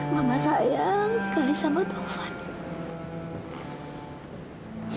mama saya sekali sama taufan